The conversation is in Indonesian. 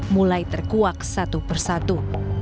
mulai terkuak satu persatu